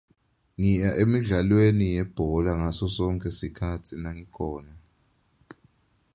Ngiya emidlalweni yebhola ngaso sonkhe sikhatsi nangikhona.